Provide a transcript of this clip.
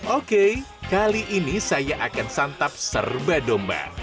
oke kali ini saya akan santap serba domba